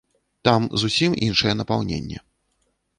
Там зусім іншае напаўненне.